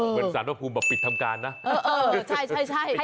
เหมือนสารพระภูมิแบบปิดทำการนะ